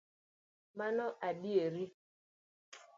Mano adieri